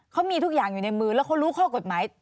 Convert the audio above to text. เขามีทุกอย่างอยู่ในมือแล้วเขารู้ข้อกฎหมาย